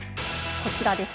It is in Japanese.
こちらです。